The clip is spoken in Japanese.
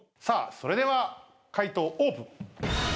さあそれでは解答オープン。